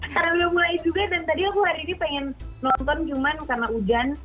karena udah mulai juga dan tadi aku hari ini pengen nonton cuman karena hujan